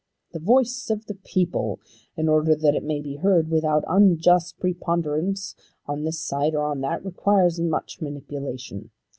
The voice of the people, in order that it may be heard without unjust preponderance on this side or on that, requires much manipulation.